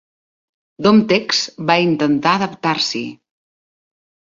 Domtex va intentar adaptar-s'hi.